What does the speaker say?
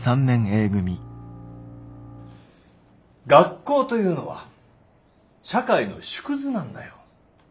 学校というのは社会の縮図なんだよ。